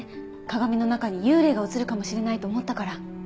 鏡の中に幽霊が映るかもしれないと思ったから。